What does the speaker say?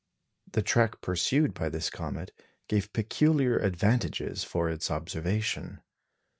The track pursued by this comet gave peculiar advantages for its observation.